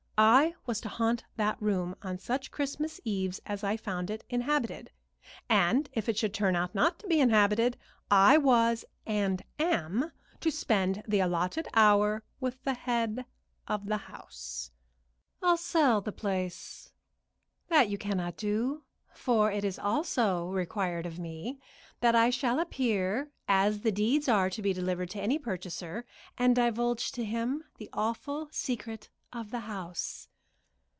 I was to haunt that room on such Christmas Eves as I found it inhabited; and if it should turn out not to be inhabited, I was and am to spend the allotted hour with the head of the house." "I'll sell the place." "That you cannot do, for it is also required of me that I shall appear as the deeds are to be delivered to any purchaser, and divulge to him the awful secret of the house."